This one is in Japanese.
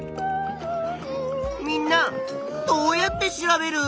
みんなどうやって調べる？